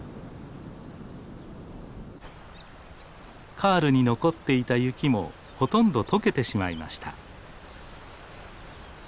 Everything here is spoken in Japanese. カールに残っていた雪もほとんどとけてしまいました。